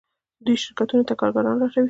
دوی شرکتونو ته کارګران لټوي.